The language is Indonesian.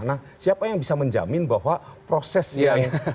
nah siapa yang bisa menjamin bahwa proses ini